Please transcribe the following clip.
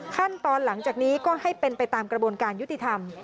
ขั้นตอนหลังจากนี้ก็ให้เป็นไปตามกระบวนการยุติธรรม